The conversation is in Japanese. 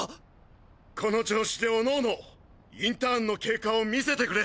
この調子で各々インターンの経過を見せてくれ！